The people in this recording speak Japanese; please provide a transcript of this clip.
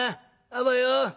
あばよ！